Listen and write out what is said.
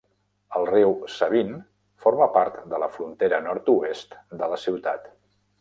El riu Sabine forma part de la frontera nord-oest de la ciutat.